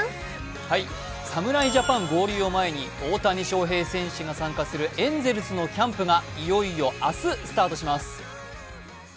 侍ジャパン合流を前に大谷翔平選手が参加するエンゼルスのキャンプがいよいよ明日、スタートします。